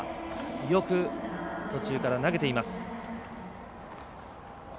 よく途中から投げています。